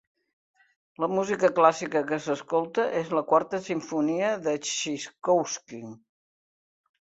La música clàssica que s'escolta és la quarta simfonia de Txaikovski.